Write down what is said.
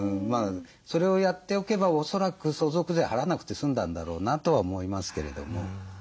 それをやっておけばおそらく相続税払わなくて済んだんだろうなとは思いますけれども。